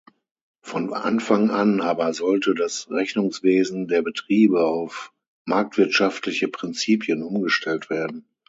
Von Anfang an aber sollte das Rechnungswesen der Betriebe auf marktwirtschaftliche Prinzipien umgestellt werden.